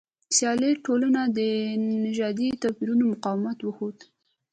سیالي ټولنه د نژادي توپیرونو مقاومت وښود.